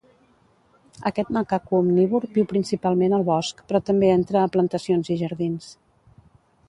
Aquest macaco omnívor viu principalment al bosc, però també entra a plantacions i jardins.